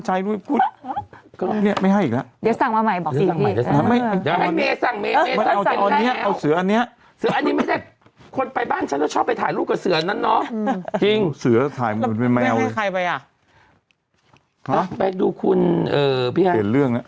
จริงสื่อถ่ายไม่เอาให้ใครไปอ่ะฮะไปดูคุณเอ่อเปลี่ยนเรื่องน่ะ